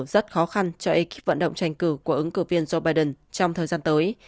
rất khó khăn cho ekip vận động tranh cử của ứng cử viên joe biden trong thời gian tới